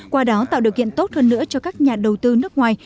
qua đó tạo điều kiện tốt hơn nữa cho các nhà đầu tư nước ngoài